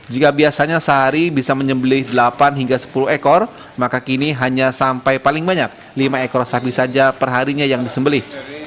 jika biasanya sehari bisa menyembelih delapan hingga sepuluh ekor maka kini hanya sampai paling banyak lima ekor sapi saja perharinya yang disembeli